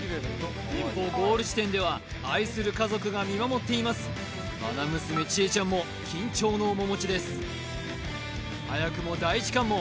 一方ゴール地点では愛する家族が見守っています愛娘・千笑ちゃんも緊張の面持ちです早くも第一関門